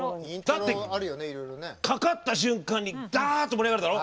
だってかかった瞬間にダッて盛り上がるだろ！